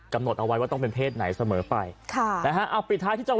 กำหนดเอาไว้ว่าต้องเป็นเพศไหนเสมอไป